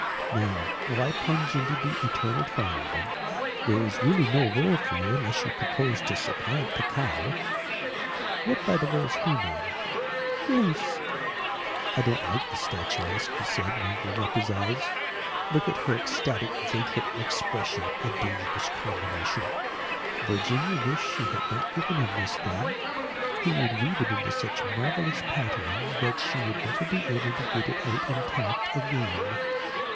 "Now, why plunge into the eternal triangle? There is really no rôle for you unless you propose to supplant the cow. What, by the way, is her name?" "Grace." "I don't like the statuesque," he said, wrinkling up his eyes. "Look at her ecstatic vacant expression. A dangerous combination." Virginia wished she had not given him this theme. He would weave it into such marvellous patterns that she would never be able to get it out intact again.